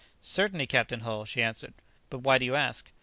"Certainly, Captain Hull," she answered; "but why do you ask?"